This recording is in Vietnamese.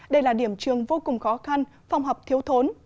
đây là điểm trường vô cùng khó khăn phòng học thiếu thốn